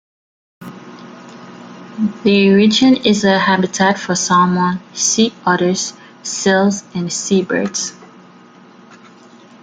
The region is a habitat for salmon, sea otters, seals and seabirds.